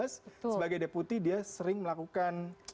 sebagai deputi dia sering melakukan